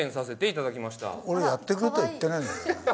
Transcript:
俺やってくれとは言ってないんだけどね。